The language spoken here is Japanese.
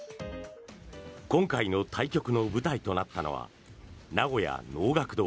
今回の対局の舞台となったのは名古屋能楽堂。